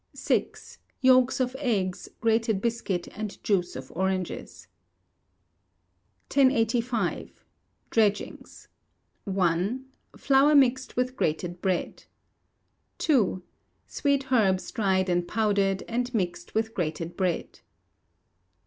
vi. Yolks of eggs, grated biscuit and juice of oranges. 1085. Dredgings. i. Flour mixed with grated bread. ii. Sweet herbs dried and powdered, and mixed with grated bread.